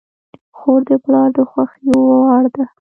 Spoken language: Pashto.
خور د پلار د خوښې وړ ده.